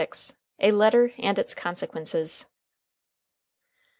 A LETTER AND ITS CONSEQUENCES.